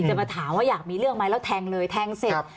จะมาถามว่าอยากมีเรื่องไหมแล้วแทงเลยแทงเสร็จ